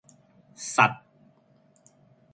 สัตว์